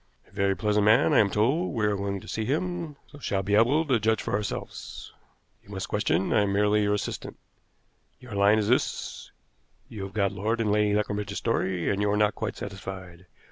"A very pleasant man, I am told. We are going to see him, so shall be able to judge for ourselves. You must question; I am merely your assistant. Your line is this: You have got Lord and Lady Leconbridge's story, and you are not quite satisfied.